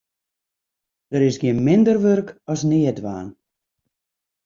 Der is gjin minder wurk as neatdwaan.